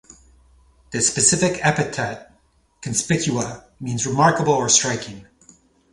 The specific epithet ("conspicua") means "remarkable" or "striking".